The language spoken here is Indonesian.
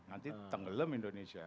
nanti tenggelam indonesia